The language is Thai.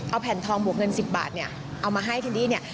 เอาแผ่นทองบวกเงิน๑๐บาทเนี่ยเอามาให้ที่นี่เนี่ย